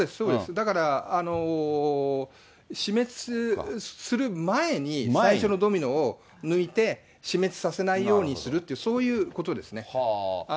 だから死滅する前に最初のドミノを抜いて、死滅させないようにするっていう、そういうことですね。